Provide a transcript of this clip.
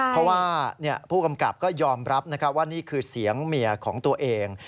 เพราะว่าผู้กำกับก็ยอมรับว่านี่คือเสียงเมียของตัวเอง